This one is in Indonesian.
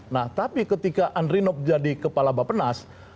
nah tapi ketika andri nob jadi kepala bapenas